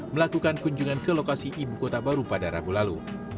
melakukan kunjungan ke lokasi ibu kota baru pada rabu lalu